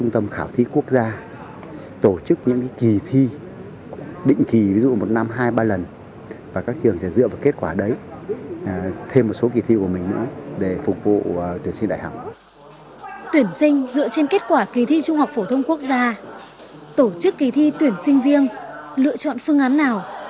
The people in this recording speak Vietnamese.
tổ chức kỳ thi tuyển sinh riêng lựa chọn phương án nào